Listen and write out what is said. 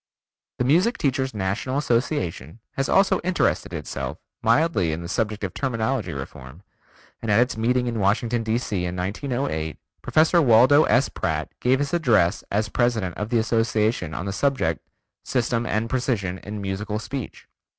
The Music Teacher's National Association has also interested itself mildly in the subject of terminology reform, and at its meeting in Washington, D.C., in 1908, Professor Waldo S. Pratt gave his address as president of the Association on the subject "System and Precision in Musical Speech."